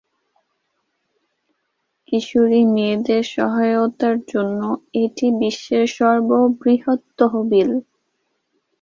কিশোরী মেয়েদের সহায়তার জন্য এটি বিশ্বের সর্ববৃহৎ তহবিল।